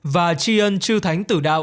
và chi ơn chư thánh